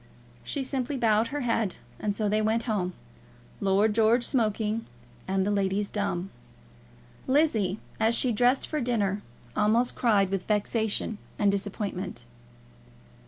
She simply bowed her head. And so they went home, Lord George smoking, and the ladies dumb. Lizzie, as she dressed for dinner, almost cried with vexation and disappointment.